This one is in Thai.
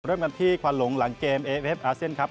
เริ่มกันที่ควันหลงหลังเกมเอเอฟอาเซียนครับ